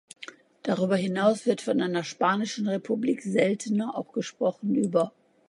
Darüber hinaus wird von einer „spanischen Republik“ seltener auch gesprochen über